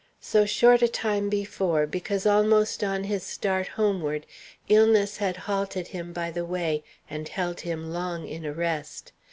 So short a time before, because almost on his start homeward illness had halted him by the way and held him long in arrest.